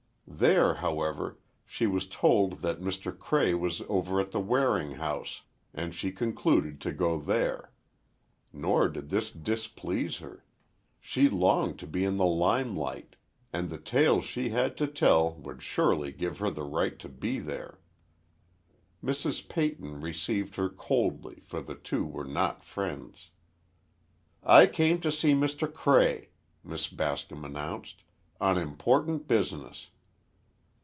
There, however, she was told that Mr. Cray was over at the Waring house, and she concluded to go there. Nor did this displease her. She longed to be in the limelight, and the tale she had to tell would surely give her the right to be there. Mrs. Peyton received her coldly, for the two were not friends. "I came to see Mr. Cray," Miss Bascom announced, "on important business."